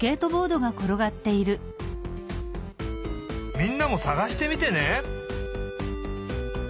みんなもさがしてみてね！